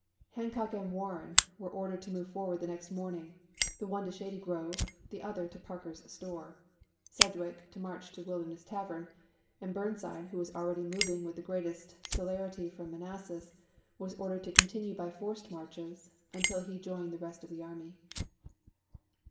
Han cock and Warren were ordered to move forward the next morning, the one to Shady Grove, the other to Parker's Store; Sedgwick to march to Wilderness Tavern, and Burnside, who was already mo\ing with the gi eatest celerity from Manassas, May 4. 1864. was Ordered to continue by forced marches until he joined the rest of the army.